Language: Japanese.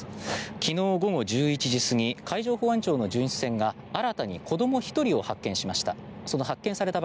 昨日午後１１時過ぎ海上保安庁の巡視船が新たに子ども１人を発見しました。